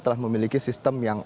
telah memiliki sistem yang